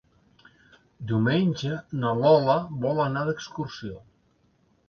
Diumenge na Lola vol anar d'excursió.